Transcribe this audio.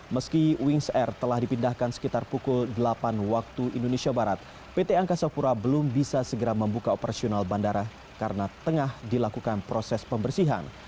meski wings air telah dipindahkan sekitar pukul delapan waktu indonesia barat pt angkasa pura belum bisa segera membuka operasional bandara karena tengah dilakukan proses pembersihan